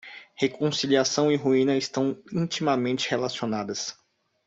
Reconciliação e ruína estão intimamente relacionadas.